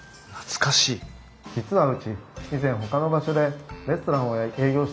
実はうち以前ほかの場所でレストランを営業していたんです。